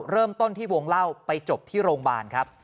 เริ่มต้นที่วงเล่าไปจบที่โรงพยาบาลครับ